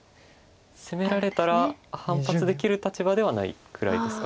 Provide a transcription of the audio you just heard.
攻められたら反発できる立場ではないくらいですか。